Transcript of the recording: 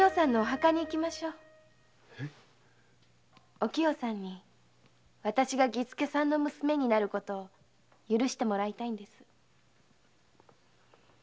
おきよさんにわたしが儀助さんの娘になることを許してもらいたいんです。